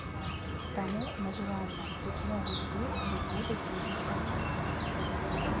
Таму, натуральна, тут могуць быць і будуць разыходжанні.